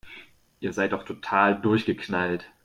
Ihr seid doch total durchgeknallt